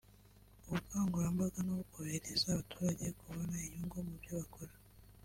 ubukangurambaga no korohereza abaturage kubona inyungu mu byo bakora